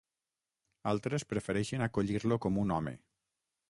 Altres prefereixen acollir-lo com un home.